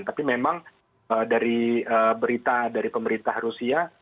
tapi memang dari berita dari pemerintah rusia